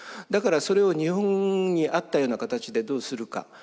だからそれを日本に合ったような形でどうするか。